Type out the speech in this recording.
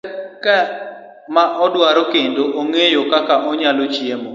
kata gik ma odwaro kendo ng'eyo kaka onyalo chiemo.